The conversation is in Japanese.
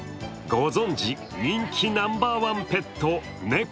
ご存じ、人気ナンバーワンペット、猫。